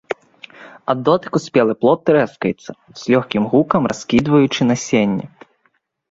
Ад дотыку спелы плод трэскаецца с лёгкім гукам раскідваючы насенне.